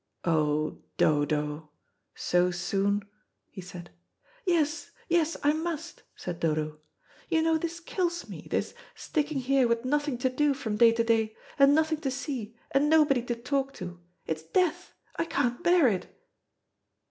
"Oh, Dodo, so soon?" he said. "Yes, yes, I must," said Dodo. "You know this kills me, this, sticking here with nothing to do from day to day, and nothing to see, and nobody to talk to. It's death; I can't bear it."